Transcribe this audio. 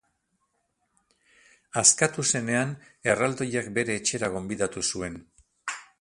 Askatu zenean, erraldoiak bere etxera gonbidatu zuen.